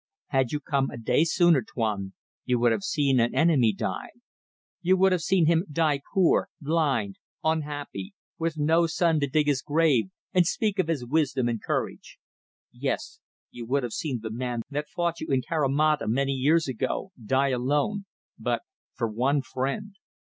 "Had you come a day sooner, Tuan, you would have seen an enemy die. You would have seen him die poor, blind, unhappy with no son to dig his grave and speak of his wisdom and courage. Yes; you would have seen the man that fought you in Carimata many years ago, die alone but for one friend.